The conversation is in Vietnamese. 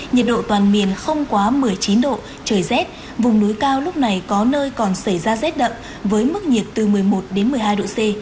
nhiệt độ toàn miền không quá một mươi chín độ trời rét vùng núi cao lúc này có nơi còn xảy ra rét đậm với mức nhiệt từ một mươi một đến một mươi hai độ c